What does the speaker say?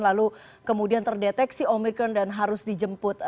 lalu kemudian terdeteksi omikron dan harus dijemput